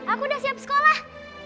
aku udah siap sekolah